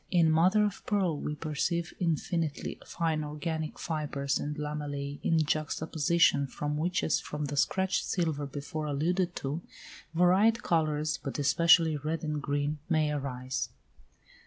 In mother of pearl we perceive infinitely fine organic fibres and lamellæ in juxta position, from which, as from the scratched silver before alluded to, varied colours, but especially red and green, may arise.